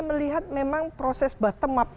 melihat memang proses bottom up